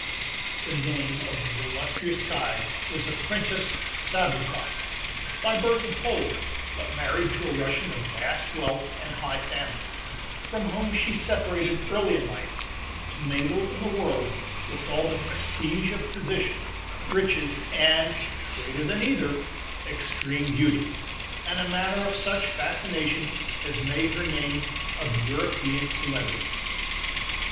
The name of his illustrious guide was the Princess Sabloukoff, by birth a Pole, but married to a Russian of vast wealth and high family, from whom she separated early in life, to mingle in the world with all the "prestige" of position, riches, and greater than either extreme beauty, and a manner of such fascination as made her name of European celebrity.